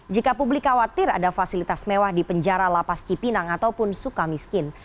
jika publik khawatir ada fasilitas mewah di penjara lapas kipinang ataupun sukamiskin